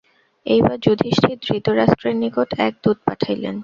এইবার যুধিষ্ঠির ধৃতরাষ্ট্রের নিকট এক দূত পাঠাইলেন।